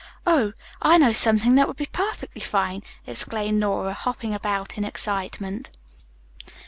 "Oh, I know something that would be perfectly fine!" exclaimed Nora, hopping about in excitement.